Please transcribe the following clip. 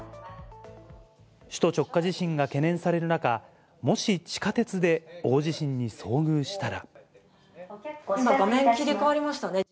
首都直下地震が懸念される中、もし地下鉄で、大地震に遭遇した今、画面切り替わりましたね。